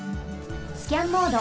スキャンモード。